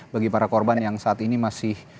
bagi para korban yang saat ini masih